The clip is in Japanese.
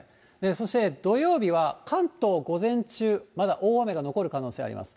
そして土曜日は関東、午前中、まだ大雨が残る可能性があります。